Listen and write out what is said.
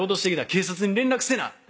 「警察に連絡せな」